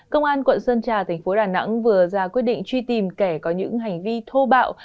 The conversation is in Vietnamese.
công an quận sơn trà thành phố đà nẵng vừa ra quyết định truy tìm kẻ có những hành vi thô bạo